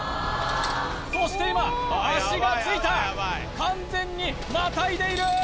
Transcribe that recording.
そして今脚がついた完全にまたいでいるー！